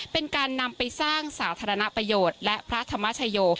เป็นการนำไปสร้างสาธารณประโยชน์และพระธรรมชโย